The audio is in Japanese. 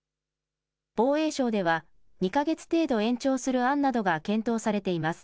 防衛省では２か月程度延長する案などが検討されています。